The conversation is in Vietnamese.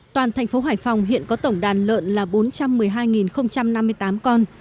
toàn tp hải phòng hiện có tổng đàn lợn là bốn trăm một mươi hai năm mươi tám con